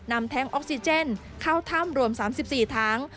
แท็งออกซิเจนเข้าถ้ำรวม๓๔ถัง